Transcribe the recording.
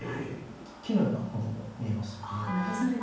木のようなものも見えます。